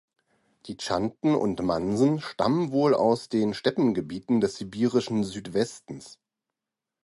Die Chanten und Mansen stammen wohl aus den Steppengebieten des sibirischen Südwestens.